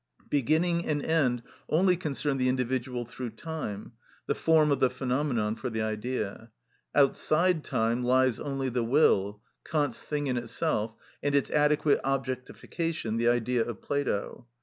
Beginning and end only concern the individual through time, the form of the phenomenon for the idea. Outside time lies only the will, Kant's thing in itself, and its adequate objectification, the Idea of Plato.